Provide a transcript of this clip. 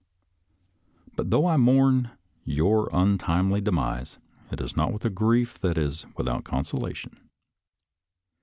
But, though I mourn your untimely demise, it is not with a grief that is without consolation.